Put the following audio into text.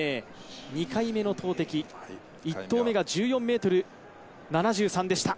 ２回めの投てき、１投目が１４ｍ７３でした。